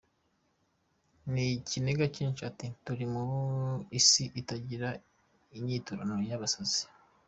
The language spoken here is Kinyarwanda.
" N’ikiniga cyinshi, ati "Turi mu Isi itagira inyiturano y’abasazi.